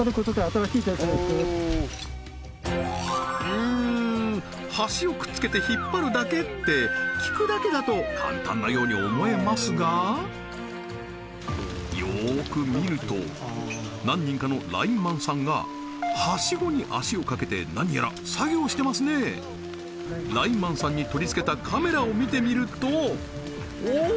うん端を聞くだけだと簡単なように思えますがよく見ると何人かのラインマンさんがハシゴに足をかけて何やら作業してますねラインマンさんに取り付けたカメラを見てみるとお！